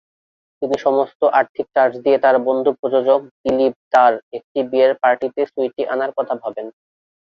তিনি সমস্ত আর্থিক চার্জ দিয়ে তার বন্ধু প্রযোজক দিলীপ দা-র একটি বিয়ের পার্টিতে সুইটি আনার কথা ভাবেন।